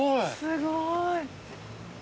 すごい。